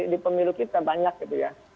di pemilu kita banyak gitu ya